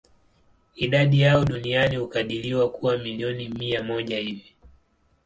Idadi yao duniani hukadiriwa kuwa milioni mia moja hivi.